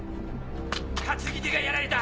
担ぎ手がやられた！